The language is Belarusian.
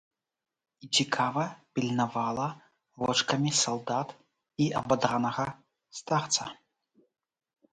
І цікава пільнавала вочкамі салдат і абадранага старца.